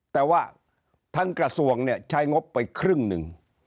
แต่ว่าทั้งกระทรวงเนี่ยใช้งบไปครึ่งหนึ่ง